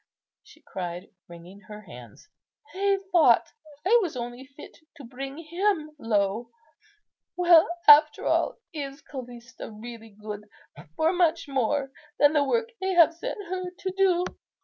she cried, wringing her hands, "they thought I was only fit to bring him low. Well; after all, is Callista really good for much more than the work they have set her to do?"